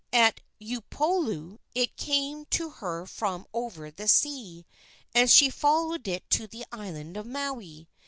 At Upolu it came to her from over the sea, and she followed it to the island of Maui.